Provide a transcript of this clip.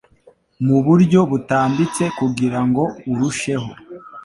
mu buryo butambitse kugirango urusheho